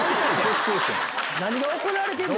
何が行われてるの？